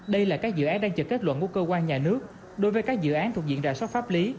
đây là các dự án đang chờ kết luận của cơ quan nhà nước đối với các dự án thuộc diện rà soát pháp lý